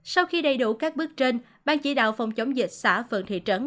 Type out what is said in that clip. sau khi đầy đủ các bước trên ban chỉ đạo phòng chống dịch xã phường thị trấn